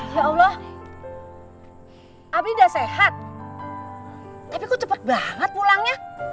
ya allah abrida sehat tapi kok cepet banget pulangnya